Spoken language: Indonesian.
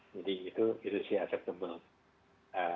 jadi itu virusnya adaptable